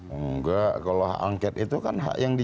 enggak kalau hak angket itu kan